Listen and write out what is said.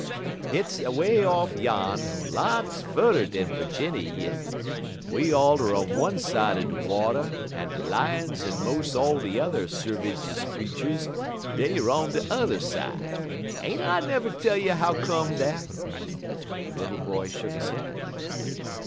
Hit's away off yan, lots furder dan Ferginny yit. We all er on one side de water, en de lions en mos' all de yuther servigous creeturs, dey er on t'er side. Ain't I never tell you how come dat?" The little boy shook his head.